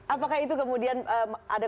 apakah itu kemudian ada